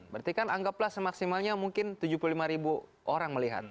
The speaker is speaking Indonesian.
berarti kan anggaplah semaksimalnya mungkin tujuh puluh lima ribu orang melihat